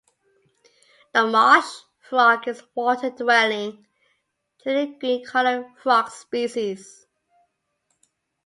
The marsh frog is a water-dwelling, generally green-colored frog species.